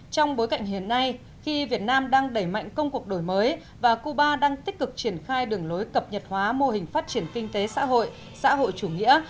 trong bối cảnh hiện nay khi việt nam đang đẩy mạnh công cuộc đổi mới và cuba đang tích cực triển khai đường lối cập nhật hóa mô hình phát triển kinh tế xã hội xã hội chủ nghĩa